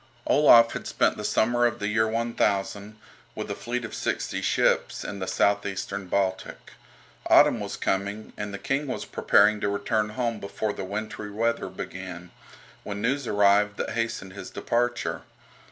Olaf had spent the summer of the year 1000, with a fleet of sixty ships, in the South Eastern Baltic. Autumn was coming, and the King was preparing to return home before the wintry weather began, when news arrived that hastened his departure.